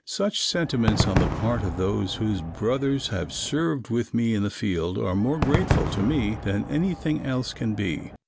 Such sentiments on the part of those whose brothers have served with me in the field are more grateful to me than anything else can be.